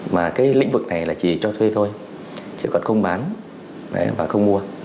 mà cái lĩnh vực này là chỉ cho thuê thôi chứ còn không bán và không mua